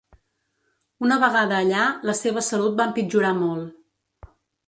Una vegada allà, la seva salut va empitjorar molt.